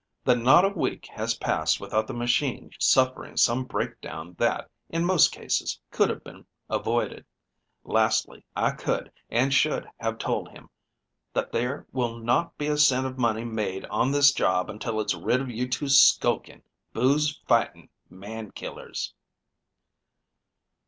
That not a week has passed without the machine suffering some breakdown that, in most cases, could have been avoided. Lastly, I could, and should have told him, that there will not be a cent of money made on this job until it's rid of you two skulking, booze fighting man killers."